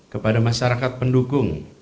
kepada masyarakat pendukung